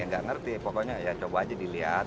nggak ngerti pokoknya ya coba aja dilihat